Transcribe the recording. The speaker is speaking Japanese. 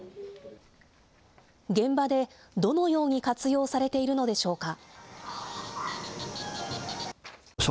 現場でどのように活用されているのでしょうか。